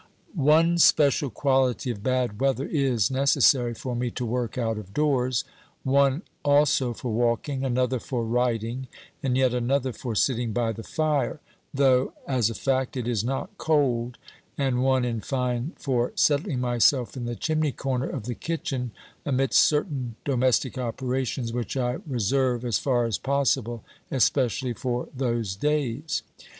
One special quality of bad weather is necessary for me to work out of doors, one also for walking, another for riding, and yet another for sitting by the fire — though, as a fact, it is not cold — and one, in fine, for settling myself in the chimney corner of the kitchen, amidst certain domestic operations which I reserve, as far as possible, especially for those days.